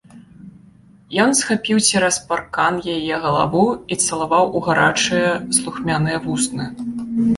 Ён схапіў цераз паркан яе галаву і цалаваў у гарачыя, слухмяныя вусны.